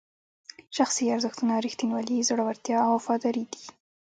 شخصي ارزښتونه ریښتینولي، زړورتیا او وفاداري دي.